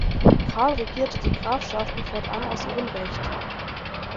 Karl regierte die Grafschaften fortan aus ihrem Recht.